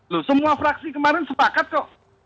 loh semua fraksi kemarin sepakat kok